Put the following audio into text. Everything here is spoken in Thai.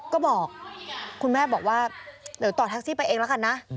ก็บอกคุณแม่บอกว่าเดี๋ยวต่อแท็กซี่ไปเองแล้วกันนะ